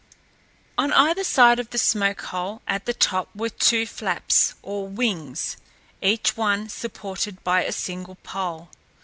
On either side of the smoke hole at the top were two flaps, or wings, each one supported by a single pole.